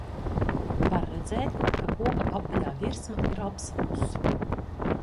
Var redzēt, ka koka apaļā virsma ir apsalusi.